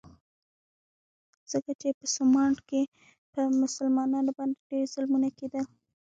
ځکه چې په سومنات کې په مسلمانانو باندې ډېر ظلمونه کېدل.